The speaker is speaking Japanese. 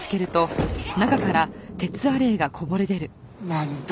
なんだ？